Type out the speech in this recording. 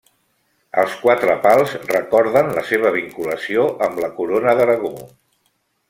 Els quatre pals recorden la seva vinculació amb la Corona d'Aragó.